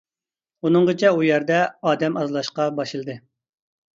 ئۇنىڭغىچە ئۇ يەردە ئادەم ئازلاشقا باشلىدى.